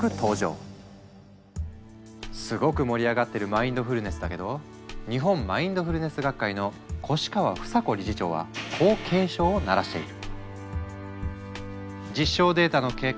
すごく盛り上がってるマインドフルネスだけど日本マインドフルネス学会の越川房子理事長はこう警鐘を鳴らしている。